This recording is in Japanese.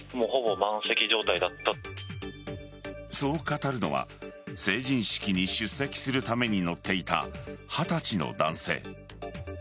そう語るのは成人式に出席するために乗っていた二十歳の男性。